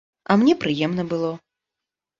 А мне прыемна было.